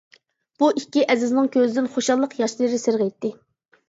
بۇ ئىككى ئەزىزنىڭ كۆزىدىن خۇشاللىق ياشلىرى سىرغىيتتى.